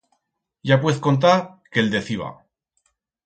Ya puez contar que el deciba.